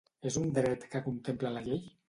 És un dret que contempla la llei?